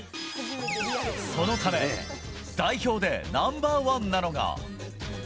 そのため、代表でナンバーワンなのが。